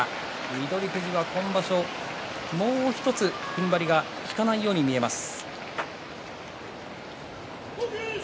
翠富士は今場所もうひとつふんばりが効かないように見えます。